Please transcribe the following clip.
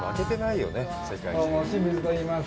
冷水といいます。